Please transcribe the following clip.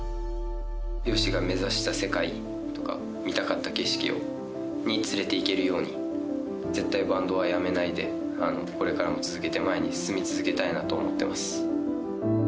ＹＯＳＨＩが目指した世界とか、見たかった景色を見に連れていけるように、絶対バンドはやめないで、これからも続けて前に進み続けたいなと思っています。